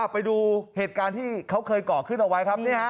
ไปดูเหตุการที่เค้าเคยก่อขึ้นออกไว้